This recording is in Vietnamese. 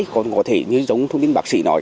có thể như giống thông tin bác sĩ nói